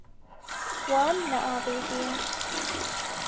Wan neavêtiye.